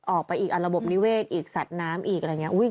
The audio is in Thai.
ออกไปอีกระบบนิเวศอีกสัตว์น้ำอีกอะไรอย่างนี้